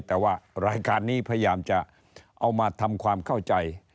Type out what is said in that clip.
แต่ว่ารายการนี้พยายามจะเอามาทำความเข้าใจ